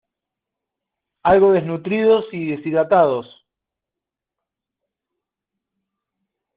algo desnutridos y deshidratados